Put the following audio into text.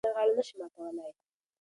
ږلۍ د دغې نرمې پاڼې غاړه نه شي ماتولی.